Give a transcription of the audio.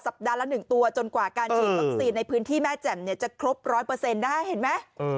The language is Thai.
ปัดละ๑ตัวจนกว่าการฉีดวัคซีนในพื้นที่แม่แจ่มจะครบ๑๐๐ได้เห็นไหม